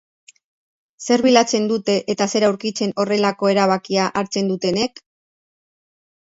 Zer bilatzen dute eta zer aurkitzen horrelako erabakia hartzen dutenek?